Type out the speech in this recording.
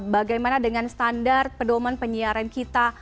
bagaimana dengan standar pedoman penyiaran kita